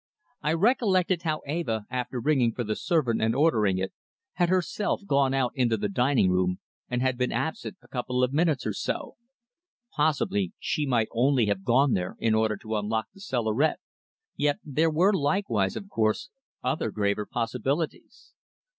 I recollected how Eva after ringing for the servant and ordering it, had herself gone out into the dining room, and had been absent a couple of minutes or so. Possibly she might only have gone there in order to unlock the cellarette, yet there were likewise, of course, other graver possibilities.